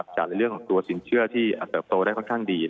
จากในเรื่องของตัวสินเชื่อที่เติบโตได้ค่อนข้างดี